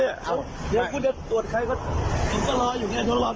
เดี๋ยวกูเดี๋ยวตรวจใครก็รออยู่